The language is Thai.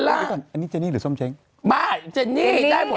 เหมือนชื่อผมก็เลยเนี่ย